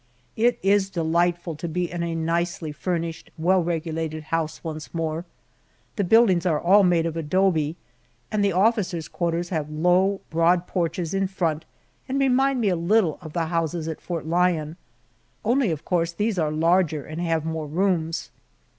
It is delightful to be in a nicely furnished, well regulated house once more. The buildings are all made of adobe, and the officers' quarters have low, broad porches in front, and remind me a little of the houses at Fort Lyon, only of course these are larger and have more rooms.